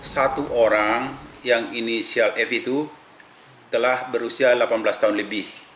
satu orang yang inisial f itu telah berusia delapan belas tahun lebih